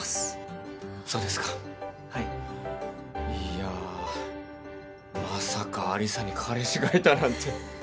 いやまさか有沙に彼氏がいたなんて。